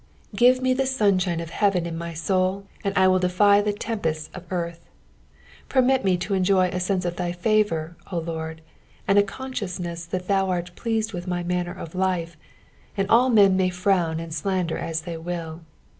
Give me the sunshine of heaven in my soul, and I will defy the tempests of earth. Permit me to cnjor a sense of thy favour, O Lord, and a conaciousneas that thou art pleased with my manner of life, and all men may frown and slander as they will.